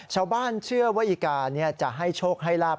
ชาวบ้านเชื่อว่าอีกาจะให้โชคให้ลาบ